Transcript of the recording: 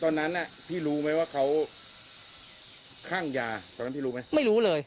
ตอนนั้นพี่รู้ไหมว่าเขาคั่งยา